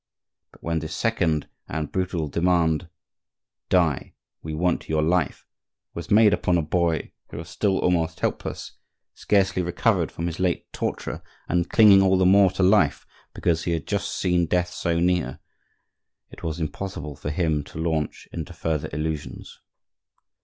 But when this second and brutal demand, "Die, we want your life," was made upon a boy who was still almost helpless, scarcely recovered from his late torture, and clinging all the more to life because he had just seen death so near, it was impossible for him to launch into further illusions.